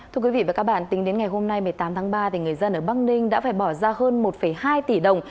thưa quý vị và các bạn tính đến ngày hôm nay một mươi tám tháng ba người dân ở bắc ninh đã phải bỏ ra hơn một hai tỷ đồng